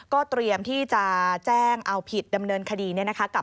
ก็เตรียมที่จะแจ้งว่าพิธภ์ดำเนินคดีเนี่ยนะคะ